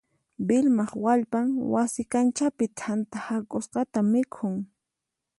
Vilmaq wallpan wasi kanchapi t'anta hak'usqata mikhun.